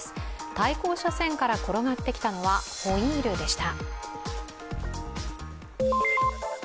対向車線から転がってきたのはホイールでした。